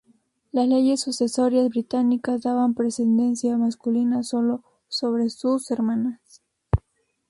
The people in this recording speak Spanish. Las leyes sucesorias británicas daban precedencia masculina sólo sobre sus hermanas.